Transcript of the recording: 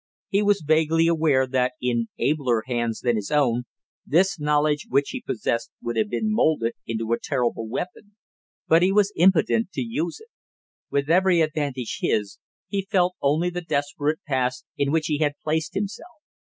He was vaguely aware that in abler hands than his own, this knowledge which he possessed would have been molded into a terrible weapon, but he was impotent to use it; with every advantage his, he felt only the desperate pass in which he had placed himself.